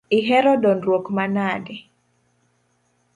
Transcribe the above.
Ihero dondruok manade?